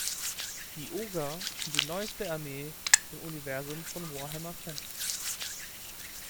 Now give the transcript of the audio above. Die Oger sind die neueste Armee im Universum von Warhammer Fantasy.